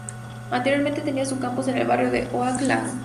Anteriormente tenía su campus en el barrio Oak Lawn.